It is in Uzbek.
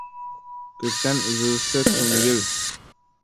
— Ko‘kdan uzilsa ko‘ngil